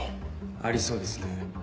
ありそうですね。